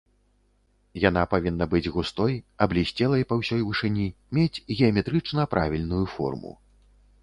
Яна павінна быць густой, аблісцелай па ўсёй вышыні, мець геаметрычна правільную форму.